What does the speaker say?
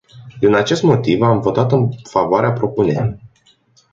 Din acest motiv, am votat în favoarea propunerii.